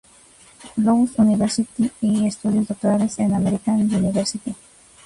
Louis University y estudios doctorales en American University.